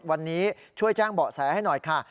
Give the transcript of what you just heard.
วันนี้ช่วยแจ้งเบาะแสให้หน่อยค่ะ